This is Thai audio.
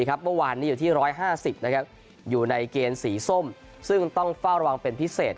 เมื่อวานนี้อยู่ที่๑๕๐อยู่ในเกณฑ์สีส้มซึ่งต้องเฝ้าระวังเป็นพิเศษ